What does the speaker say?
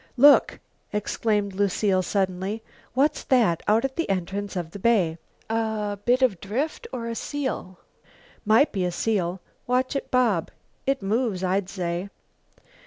"Look!" exclaimed Lucile suddenly. "What's that out at the entrance of the bay a bit of drift or a seal?" "Might be a seal. Watch it bob. It moves, I'd say."